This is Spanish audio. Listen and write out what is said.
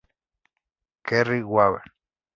Kerry Weaver.